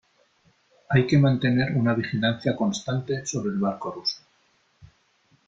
hay que mantener una vigilancia constante sobre el barco ruso .